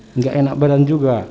tidak enak badan juga